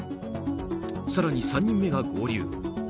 更に３人目が合流。